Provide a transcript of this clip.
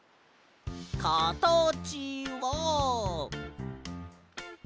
かたちは。